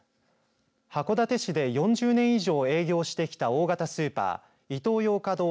函館市で４０年以上営業してきた大型スーパーイトーヨーカドー